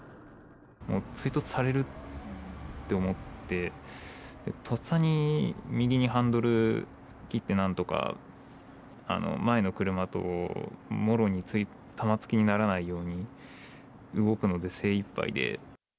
追突されるって思って、とっさに右にハンドル切って、なんとか、前の車ともろに玉突きにならないように動くので精いっぱいで。